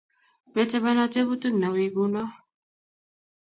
Metebena tebut newiy kuno?